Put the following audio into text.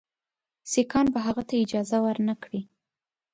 سیکهان به هغه ته اجازه ورنه کړي.